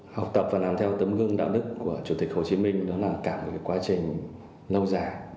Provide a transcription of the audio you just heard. học tập và làm theo tấm gương đạo đức của chủ tịch hồ chí minh đó là cả một quá trình lâu dài